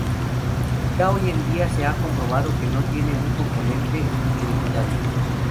Ya hoy en día se ha comprobado que no tiene un componente hereditario.